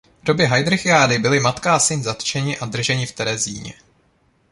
V době heydrichiády byli matka a syn zatčeni a drženi v Terezíně.